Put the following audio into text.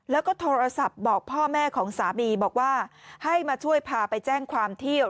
และก็โทรศัพท์บอกพ่อแม่ของสามีบอกว่า